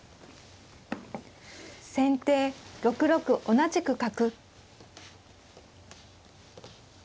先手６六同じく角。